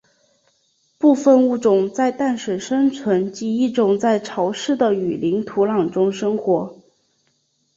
部分物种在淡水生存及一种在潮湿的雨林土壤中生活。